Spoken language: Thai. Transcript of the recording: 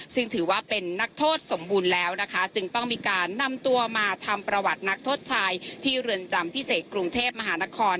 ซึ่งถือว่าเป็นนักโทษสมบูรณ์แล้วนะคะจึงต้องมีการนำตัวมาทำประวัตินักโทษชายที่เรือนจำพิเศษกรุงเทพมหานคร